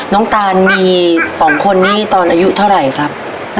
น้องตานมีสองคนนี่ตอนอายุเท่าไหร่ครับ